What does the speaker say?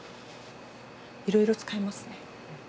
いろいろ使えますね。